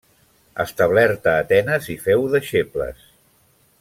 Establert a Atenes hi féu deixebles.